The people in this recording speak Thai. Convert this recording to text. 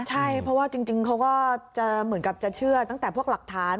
ใช่เพราะว่าจริงเขาก็จะเหมือนกับจะเชื่อตั้งแต่พวกหลักฐาน